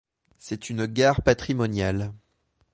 C'est une gare patrimoniale.